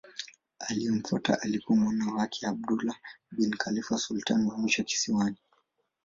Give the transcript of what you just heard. Aliyemfuata alikuwa mwana wake Abdullah bin Khalifa sultani wa mwisho kisiwani.